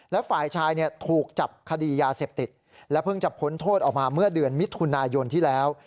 และฝ่ายชายถูกจับคดียาเสพติดและเพิ่งจะพ้นโทษออกมาเมื่อเดือนมิถุนายนที่แล้ว